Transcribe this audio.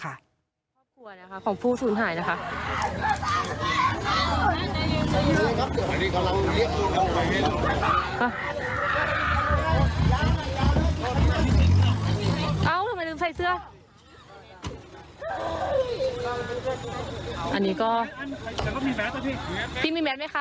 อันนี้ก็มีแมสไหมคะ